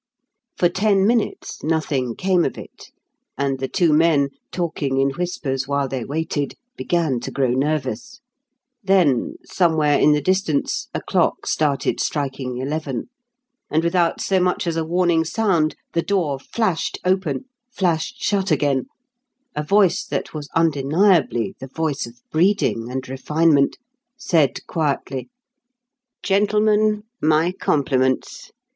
For ten minutes nothing came of it, and the two men, talking in whispers while they waited, began to grow nervous. Then somewhere in the distance a clock started striking eleven, and without so much as a warning sound, the door flashed open, flashed shut again, a voice that was undeniably the voice of breeding and refinement said quietly: "Gentlemen, my compliments.